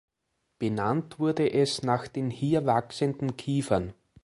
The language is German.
Benannt wurde es nach den hier wachsenden Kiefern.